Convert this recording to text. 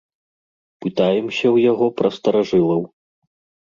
Пытаемся ў яго пра старажылаў.